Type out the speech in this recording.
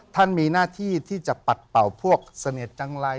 ท่านมีหน้าที่ที่จะปัดเป่าพวกเสน็จจังไร